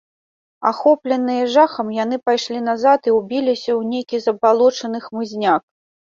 Ахопленыя жахам, яны пайшлі назад і ўбіліся ў нейкі забалочаны хмызняк.